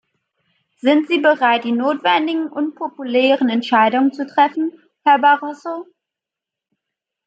Sind Sie bereit, die notwendigen unpopulären Entscheidungen zu treffen, Herr Barroso?